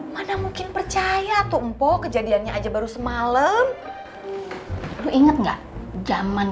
mana mungkin percaya tuh mpo kejadiannya aja baru semalam